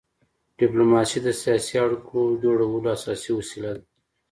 ډيپلوماسي د سیاسي اړیکو جوړولو اساسي وسیله ده.